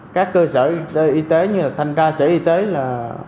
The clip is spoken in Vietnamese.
các cơ sở y tế như là thanh tra sở y tế là